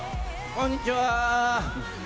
こんにちは。